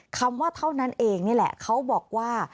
คำว่าเท่านั้นเองนี่แหละเขาบอกว่า